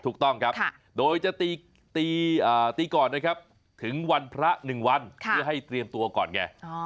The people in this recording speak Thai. ถูกต้องครับโดยจะตีก่อนนะครับถึงวันพระ๑วันเพื่อให้เตรียมตัวก่อนไง